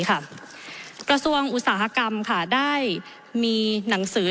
กระทรวงอุตสาหกรรมได้มีหนังสือ